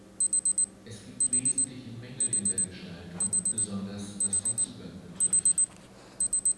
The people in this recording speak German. Es gibt wesentliche Mängel in der Gestaltung, besonders was den Zugang betrifft.